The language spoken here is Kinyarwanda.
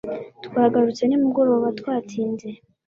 Twagarutse nimugoroba twatinze